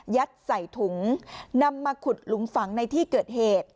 ใส่ถุงนำมาขุดหลุมฝังในที่เกิดเหตุ